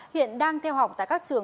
hiện đang theo học tại các trường